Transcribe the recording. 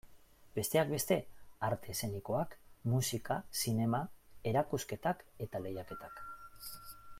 Besteak beste, arte eszenikoak, musika, zinema, erakusketak eta lehiaketak.